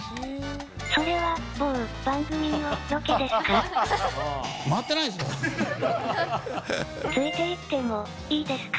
それは某番組のロケですか？